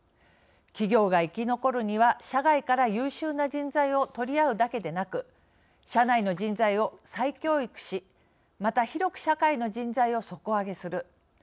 企業が生き残るには社外から優秀な人材をとりあうだけでなく社内の人材を再教育しまた広く社会の人材を底上げする。